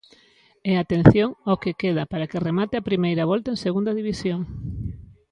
E atención ao que queda para que remate a primeira volta en Segunda División.